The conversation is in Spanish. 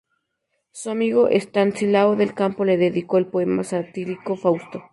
Su amigo Estanislao del Campo le dedicó el poema satírico "Fausto".